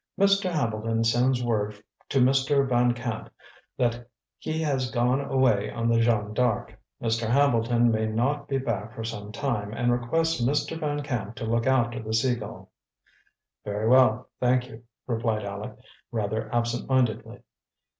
"Mr. Hambleton sends word to Mr. Van Camp that he has gone away on the Jeanne D'Arc. Mr. Hambleton may not be back for some time, and requests Mr. Van Camp to look after the Sea Gull." "Very well, thank you," replied Aleck, rather absent mindedly.